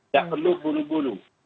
gak perlu buru buru